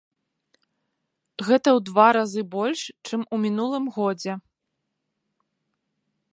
Гэта ў два разы больш, чым у мінулым годзе.